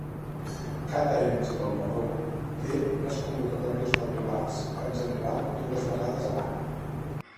Cada ens avaluador té unes convocatòries regulars, en general dues vegades a l'any.